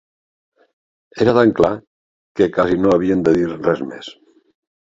Era tan clar, que casi no havien de dir res més.